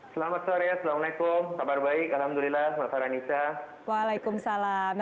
selamat sore assalamualaikum tabar baik alhamdulillah masyarakat indonesia waalaikumsalam